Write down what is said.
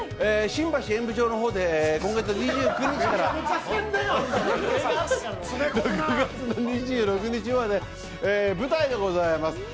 新橋演舞場の方で今月２９日から６月の２６日まで舞台でございます。